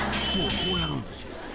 こうやるんですよ。